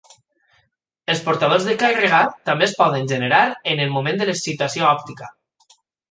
Els portadors de càrrega també es poden generar en el moment de l'excitació òptica.